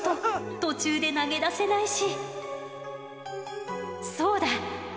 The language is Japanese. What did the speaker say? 途中で投げ出せないし。